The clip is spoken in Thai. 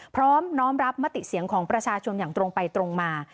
พร้อมน้อมรับมติเสียงของประชาชนอย่างตรงไปตรงมา